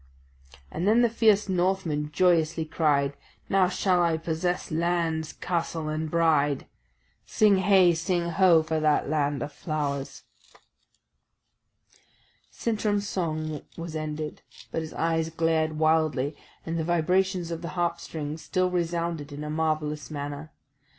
And then the fierce Northman joyously cried, "Now shall I possess lands, castle, and bride!" Sing heigh, sing ho, for that land of flowers! Sintram's song was ended, but his eyes glared wildly, and the vibrations of the harp strings still resounded in a marvellous manner.